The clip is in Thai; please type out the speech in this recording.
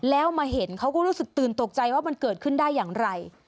แล้วมาเห็นเขาก็รู้สึกตื่นตกใจว่ามันเกิดขึ้นได้อย่างไร